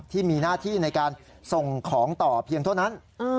ที่มีหน้าที่ในการส่งของต่อเพียงเท่านั้น